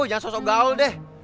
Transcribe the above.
jangan sosok gaul deh